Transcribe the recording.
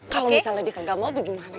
kalau misalnya dia gak mau gimana